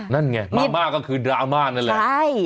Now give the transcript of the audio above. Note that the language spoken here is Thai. นั่นไงมาม่าก็คือดราม่านั่นแหละใช่